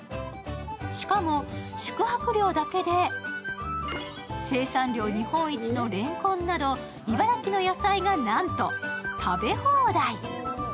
しかも宿泊料だけで、生産量日本一のれんこんなど、茨城の野菜が、なんと食べ放題。